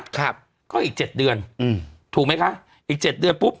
ครับก็อีกเจ็ดเดือนอืมถูกไหมคะอีกเจ็ดเดือนปุ๊บ